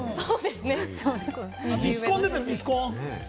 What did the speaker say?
ミスコン出てる、ミスコン。